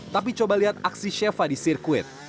tapi coba lihat aksi sheva di sirkuit